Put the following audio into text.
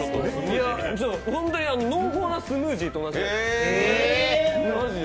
本当に濃厚なスムージーと同じ。